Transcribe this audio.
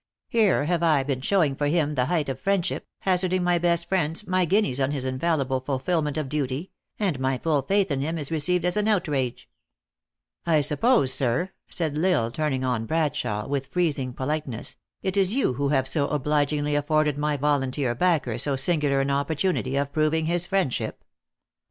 " Here have I been showing for him the height of friendship, haz arding my best friends, my guineas, on his infallible fulfillment of duty ; and my full faith in him is re ceived as an outrage." " I suppose, sir," said L Isle, turning on Bradshawe, with freezing politeness, "it is you who have so obligingly afforded my volunteer backer so singular an opportunity of proving his friendship?"